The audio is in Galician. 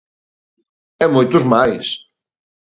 E moitos máis.